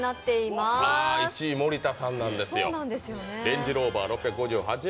１位、森田さんなんですよ。